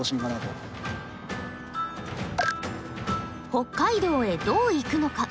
北海道へどう行くのか。